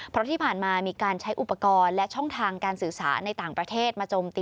เพราะที่ผ่านมามีการใช้อุปกรณ์และช่องทางการสื่อสารในต่างประเทศมาโจมตี